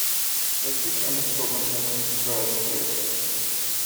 The chick and slogan Hasn't Scratched Yet!